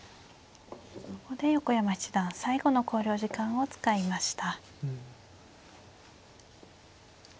ここで横山七段最後の考慮時間を使いました。